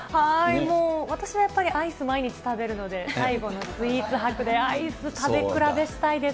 もう私はやっぱりアイス、毎日食べるので、最後のスイーツ博で、アイス食べ比べしたいです